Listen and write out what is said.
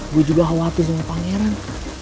gue juga khawatir sama pangeran